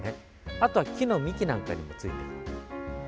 あとは木の幹なんかにもついている。